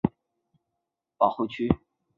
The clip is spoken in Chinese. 其附近设有同名的自然保护区。